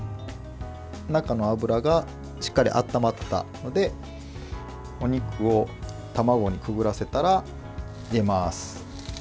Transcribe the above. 中の油がしっかり温まったのでお肉を卵にくぐらせたら入れます。